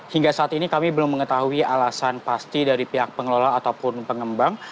hingga saat ini kami belum mengetahui alasan pasti dari pihak pengelola ataupun pengembang